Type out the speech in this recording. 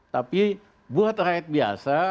tapi buat rakyat biasa keras keras dikit oke